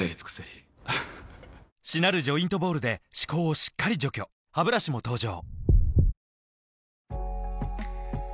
りしなるジョイントボールで歯垢をしっかり除去ハブラシも登場